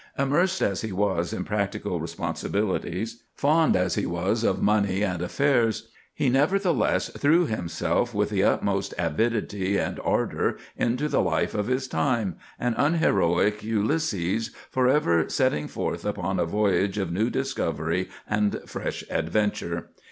Immersed as he was in practical responsibilities, fond as he was of money and affairs, he nevertheless threw himself with the utmost avidity and ardor into the life of his time, an unheroic Ulysses, forever setting forth upon a voyage of new discovery and fresh adventure.